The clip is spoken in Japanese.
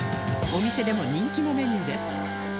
お店でも人気のメニューです